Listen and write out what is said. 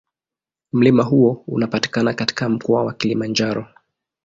Mlima huo unapatikana katika Mkoa wa Kilimanjaro.